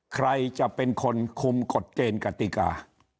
ใครจะเป็นคนคุมกฎเกณฑ์กติกา